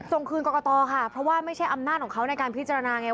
ส่งคืนกรกตค่ะเพราะว่าไม่ใช่อำนาจของเขาในการพิจารณาไง